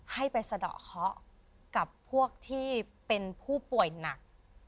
ให้ไปสะดอกเคาะกับพวกที่เป็นผู้ป่วยหนัก